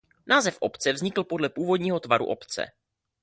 Název obce vznikl podle původního tvaru obce.